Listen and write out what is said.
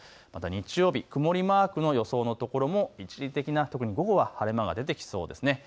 日曜日、曇りマークの予想の所も一時的な午後は晴れ間が出てきそうです。